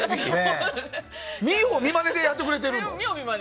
見よう見まねでやってくれてるの？